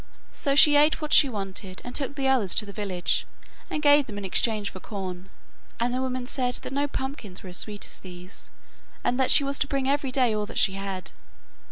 So she ate what she wanted and took the others to the village, and gave them in exchange for corn, and the women said that no pumpkins were as sweet as these, and that she was to bring every day all that she had.